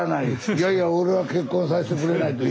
いやいや俺は結婚させてくれないと。